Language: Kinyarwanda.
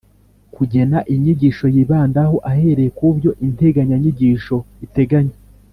Kugena inyigisho yibandaho ahereye ku byo integanyanyigisho iteganya;